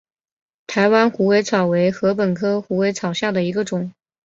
台湾虎尾草为禾本科虎尾草下的一个种。